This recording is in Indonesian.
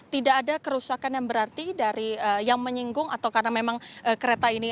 tidak ada kerusakan yang berarti dari yang menyinggung atau karena memang kereta ini